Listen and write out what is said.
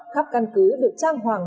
khắp căn cứ được trang hoàng